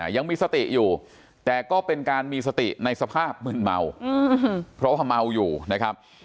ยังมีสติอยู่แต่ก็เป็นการมีสติในสภาพมึนเมาเพราะว่าเมาอยู่นะครับ